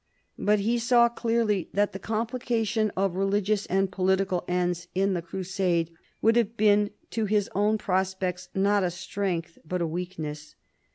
But he saw clearly that the complica tion of religious and political ends in the crusade would have been to his own prospects not a strength but a weakness.